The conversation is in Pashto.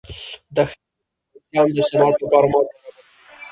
دښتې د افغانستان د صنعت لپاره مواد برابروي.